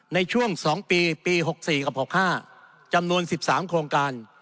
ในช่วง๒ปีปี๖๔กับ๖๕จำนวน๑๓โครงการ